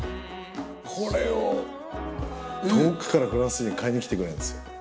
これを遠くからフランスに買いに来てくれるんですよ。